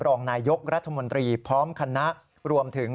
รองนายยกรัฐมนตรีพร้อมคณะรวมถึง